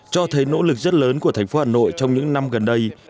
cho thấy nỗ lực rất lớn của thành phố hà nội trong những năm gần đây